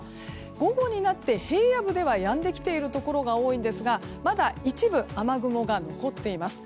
午後になって平野部ではやんできているところが多いんですがまだ一部、雨雲が残っています。